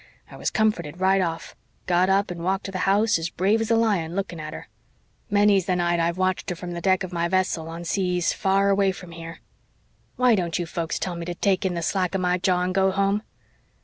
I was comforted right off. Got up and walked to the house as brave as a lion, looking at her. Many's the night I've watched her from the deck of my vessel, on seas far away from here. Why don't you folks tell me to take in the slack of my jaw and go home?"